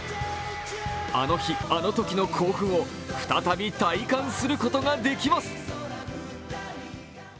あの日あの時の興奮を再び体感することができます。